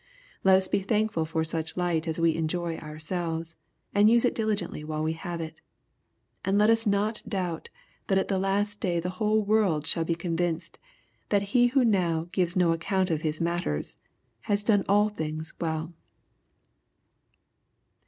Let us be thankful for such light as we enjoy ourselves, and use it diligently while we have it. And let us not doubt that at the last day the whole world shall be convinced, that He who now " gives no account of Hia matters" has done all things well.